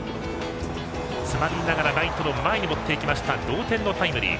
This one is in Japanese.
詰まりながらライトの前に持っていった同点タイムリー。